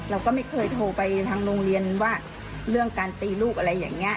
เราก็ไม่เคยโทรไปทางโรงเรียนว่าเรื่องการตีลูกอะไรอย่างนี้